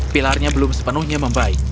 pilarnya belum sepenuhnya membaik